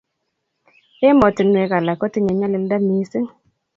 emotinwek alak kotinye nyalilda missing